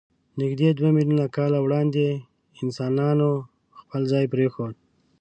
نږدې دوه میلیونه کاله وړاندې انسانانو خپل ځای پرېښود.